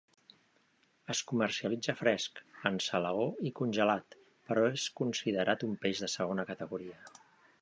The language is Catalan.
Es comercialitza fresc, en salaó i congelat, però és considerat un peix de segona categoria.